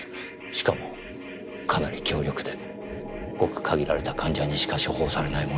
しかもかなり強力でごく限られた患者にしか処方されないものです。